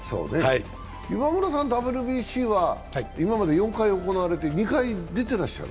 岩村さん、ＷＢＣは今まず４回行われて２回出てらっしゃる？